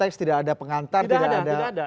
pengeceks tidak ada pengantar tidak ada tidak ada